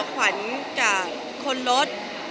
ขวัญกับคนรถ